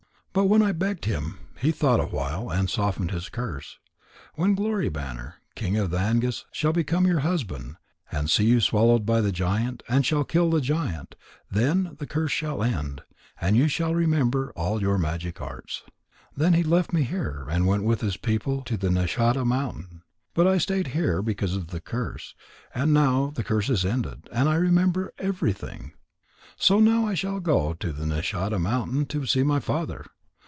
"But when I begged him, he thought awhile and softened his curse. When Glory banner, King of the Angas, shall become your husband, and shall see you swallowed by the giant, and shall kill the giant, then the curse shall end, and you shall remember all your magic arts.' Then he left me here, and went with his people to the Nishadha mountain. But I stayed here because of the curse. And now the curse is ended, and I remember everything. So now I shall go to the Nishadha mountain to see my father.